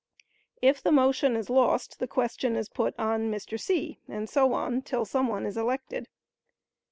If the motion is lost the question is put on Mr. C., and so on, till some one is elected.